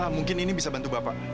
mungkin ini bisa bantu bapak